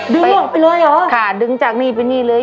ออกไปเลยเหรอค่ะดึงจากนี่ไปนี่เลย